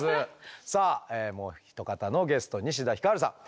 さあもうひと方のゲスト西田ひかるさん。